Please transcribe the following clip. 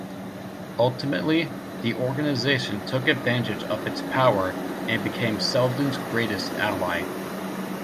Ultimately, the organization took advantage of its power and became Selden's greatest ally.